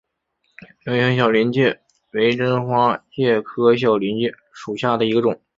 菱形小林介为真花介科小林介属下的一个种。